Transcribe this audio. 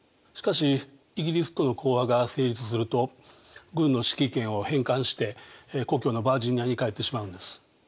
しかしイギリスとの講和が成立すると軍の指揮権を返還して故郷のバージニアに帰ってしまうんです。